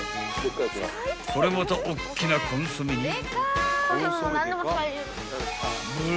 ［これまたおっきなコンソメに］